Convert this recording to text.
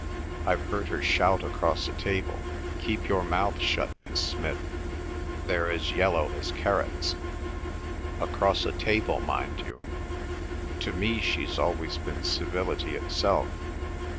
I've heard her shout across a table, 'Keep your mouth shut, Miss Smith; they're as yellow as carrots!' across a table, mind you. To me she's always been civility itself.